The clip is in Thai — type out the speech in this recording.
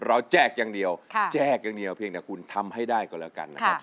เราแจกอย่างเดียวเพียงแต่คุณทำให้ได้ก่อนแล้วกันนะครับ